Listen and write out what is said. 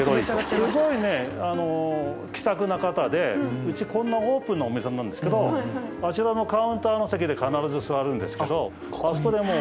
すごいね気さくな方でうちこんなオープンなお店なんですけどあちらのカウンターの席で必ず座るんですけどあそこでもう。